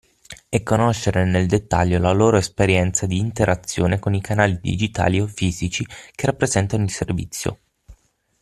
E conoscere nel dettaglio la loro esperienza di interazione con i canali digitali o fisici che rappresentano il servizio.